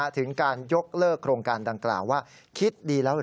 ถึงการยกเลิกโครงการดังกล่าวว่าคิดดีแล้วเห